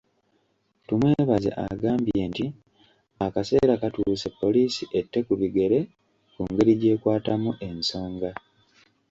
Tumwebaze agambye nti akaseera katuuse poliisi ette ku bigere ku ngeri gy'ekwatamu ensonga.